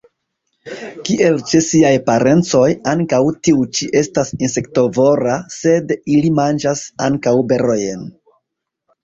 Kiel ĉe siaj parencoj, ankaŭ tiu ĉi estas insektovora, sed ili manĝas ankaŭ berojn.